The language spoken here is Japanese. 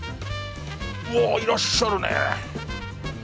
うわいらっしゃるね。